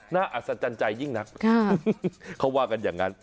อัศจรรย์ใจยิ่งนักเขาว่ากันอย่างนั้น